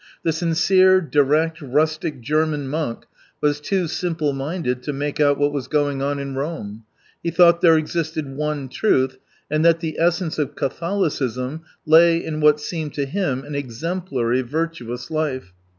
The sincere, direct, rustic German monk was too simple minded to make 6ut what was going on in Rome. He thought there existed one truth, and that the essence of Catholicism lay in what seemed to him an exemplary, virtuous life.